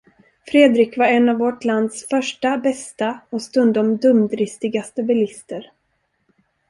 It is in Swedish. Fredrik var en av vårt lands första, bästa och stundom dumdristigaste bilister.